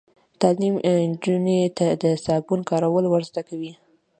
تعلیم نجونو ته د صابون کارول ور زده کوي.